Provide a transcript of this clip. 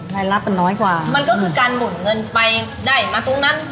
รายรับมันน้อยกว่ามันก็คือการหมุนเงินไปได้มาตรงนั้น